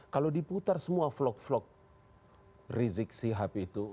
kalau diputar semua vlog vlog rizieq si habib itu